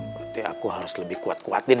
berarti aku harus lebih kuat kuatin